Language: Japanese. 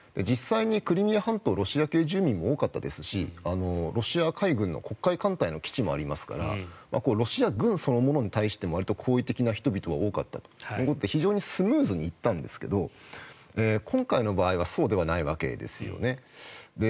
実際にクリミア半島はロシア系住民も多かったですし、ロシア海軍の黒海艦隊の基地もありますからロシア軍そのものに対しても好意的な人が多かったということで非常にスムーズにいったんですけど今回の場合はそうではないわけですよね。